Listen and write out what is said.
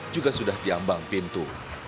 juga sudah diambang pintu